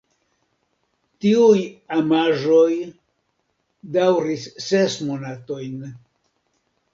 Tiuj amaĵoj daŭris ses monatojn.